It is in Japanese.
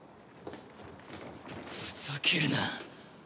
ふざけるな。